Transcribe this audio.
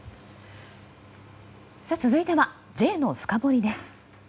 続いてはＪのフカボリです。